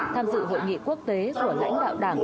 tham dự hội nghị quốc tế của lãnh đạo đảng